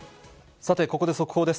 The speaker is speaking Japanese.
さてここで速報です。